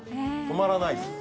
止まらないです。